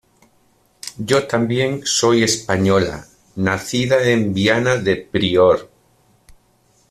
yo también soy española, nacida en Viana del Prior.